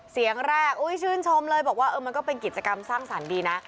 เสียงแรกชื่นชมเลยบอกว่ามันก็เป็นกิจกรรมสร้างสรรค์ดีนะ